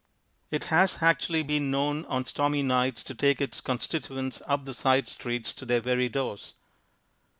It has actually been known on stormy nights to take its constituents up the side streets to their very doors.